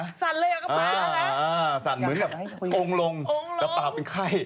สั่นเลยกับป๊าแล้วนะอ่าสั่นเหมือนแบบโอ้งลงแต่เปล่าเป็นไข้